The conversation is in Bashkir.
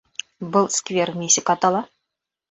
Был сквер нисек атала?